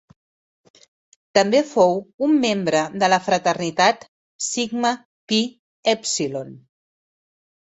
També fou un membre de la fraternitat Sigma Pi Èpsilon.